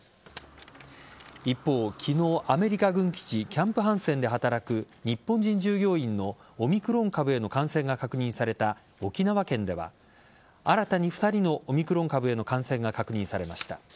一方、昨日アメリカ軍基地キャンプハンセンで働く日本人従業員へのオミクロン株への感染が確認された沖縄県では新たに２人のオミクロン株への感染が確認されました。